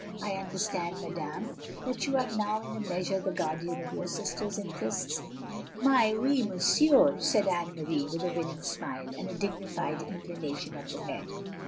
" I understand, madame, that you are now in a measure the guardian of your sister's interests?" "Mais oui, monsieur," said Anne Marie, with a winning smile, and a dignified inclination of the head.